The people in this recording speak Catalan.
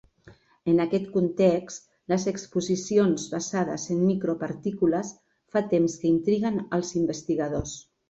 En aquest context, les exposicions basades en micropartícules fa temps que intriguen els investigadors.